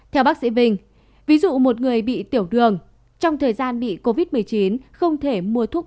theo bác sĩ vinh ví dụ một người bị tiểu đường trong thời gian bị covid một mươi chín không thể mua thuốc